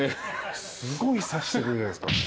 すごい指してくるじゃないっすか。